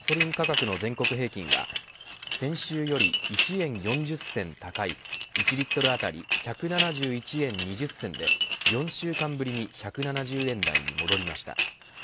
資源エネルギー庁によりますと今週のガソリン価格の全国平均は先週より１円４０銭高い１リットル当たり１７１円２０銭で４週間ぶりに１７０円台に戻りました。